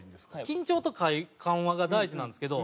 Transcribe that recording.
緊張と緩和が大事なんですけど。